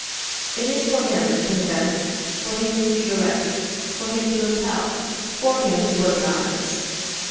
It is for him to invent, for him to direct, for him to impel, for him to organise.